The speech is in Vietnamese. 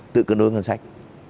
tự cưỡng đối ngân sách